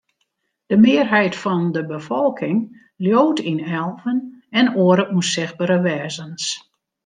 De mearheid fan de befolking leaut yn elven en oare ûnsichtbere wêzens.